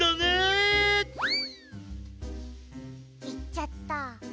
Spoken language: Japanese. いっちゃった。